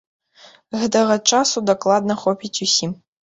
Гэтага часу дакладна хопіць усім.